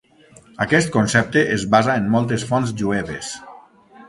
Aquest concepte es basa en moltes fonts jueves.